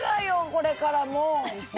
これからもう！